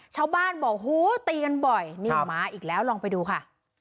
ชาวบ้านบอกโหตีกันบ่อยนี่มาอีกแล้วลองไปดูค่ะ